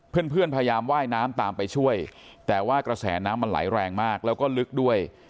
เพื่อนพยายามว่ายน้ำตามไปช่วยแต่ว่ากระแสน้ำมันไหลแรงมากแล้วก็ลึกด้วย